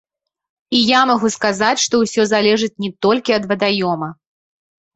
І я магу сказаць, што ўсё залежыць не толькі ад вадаёма.